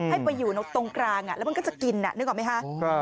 ให้ไปอยู่ตรงกลางแล้วมันก็จะกินนึกออกไหมคะ